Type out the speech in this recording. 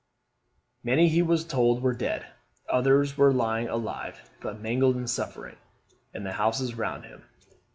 Many he was told were dead; others were lying alive, but mangled and suffering, in the houses round him.